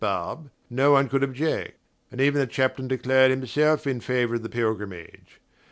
Barbe no one could object, and even the chaplain declared himself in favour of the pilgrimage.